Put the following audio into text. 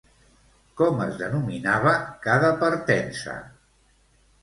Com es denominava cada partença?